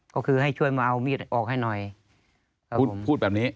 ก็คือให้ช่วยมาเอามีดออกให้หน่อยพูดแบบนี้